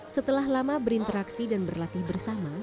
setelah lama berinteraksi dan berlatih bersama